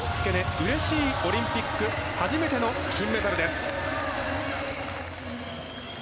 うれしいオリンピック初めての金メダルです。